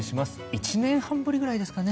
１年半ぶりくらいですかね。